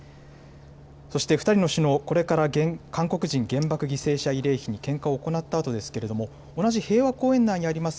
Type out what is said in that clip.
そして２人の首脳、これから韓国人原爆犠牲者慰霊碑に献花を行ったあとですけれども、同じ平和公園内にあります